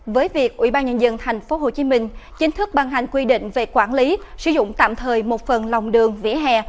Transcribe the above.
với việc ủy ban nhân dân tp hcm chính thức ban hành quy định về quản lý sử dụng tạm thời một phần lòng đường vỉa hè